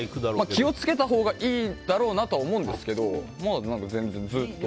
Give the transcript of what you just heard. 気を付けたほうがいいだろうなとは思うんですけど全然ずっと。